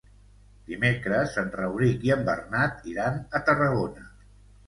Dimecres en Rauric i en Bernat iran a Tarragona.